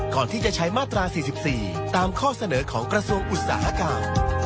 ก่อนที่จะใช้มาตรา๔๔ตามข้อเสนอของกระทรวงอุตสาหกรรม